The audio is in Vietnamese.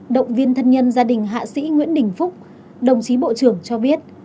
động viên thân nhân gia đình hạ sĩ nguyễn đình phúc đồng chí bộ trưởng cho biết